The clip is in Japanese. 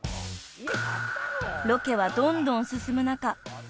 ［ロケはどんどん進む中］